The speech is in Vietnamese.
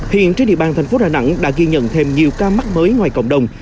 hiện trên địa bàn thành phố đà nẵng đã ghi nhận thêm nhiều ca mắc mới ngoài cộng đồng